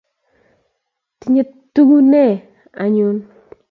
Tinye tugee ne anyiny